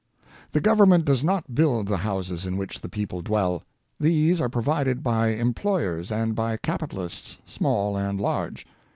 The Government does not build the houses in which the people dwell. These are provided by employers and by capitalists, small and large.